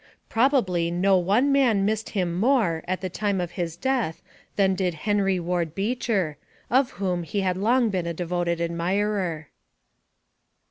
Probably no one man missed him more at the time of his death than did Henry Ward Beecher, of whom he had long been a devoted admirer.